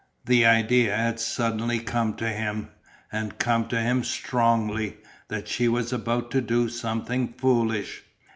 The idea had suddenly come to him, and come to him strongly, that she was about to do "something foolish."